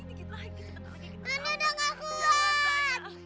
nah ini coba